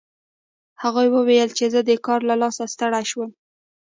هغې وویل چې زه د کار له لاسه ستړې شوم